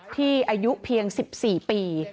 อายุเพียง๑๔ปี